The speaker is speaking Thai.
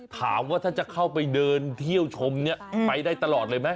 ถามว่าถ้าจะเข้าไปเดินเที่ยวชมเนี่ยไปได้ตลอดเลยไหม